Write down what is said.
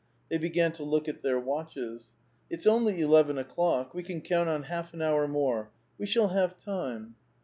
They began to look at their watches. *' It's only eleven o'clock; we can count on half an hour more ; we shall have time."